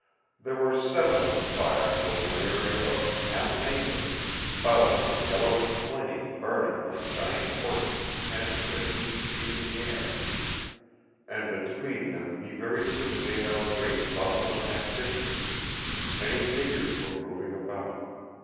There were seven of the fires over an area of half an acre spouts of yellowish flame burning like giant torches ten or fifteen feet in the air. And between them he very soon made out great bustle and activity. Many figures were moving about.